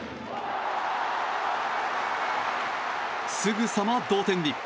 すぐさま同点に。